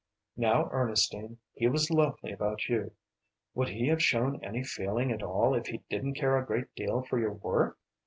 "Now, Ernestine he was lovely about you. Would he have shown any feeling at all if he didn't care a great deal for your work?